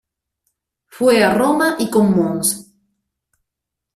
Fue a Roma y con Mons.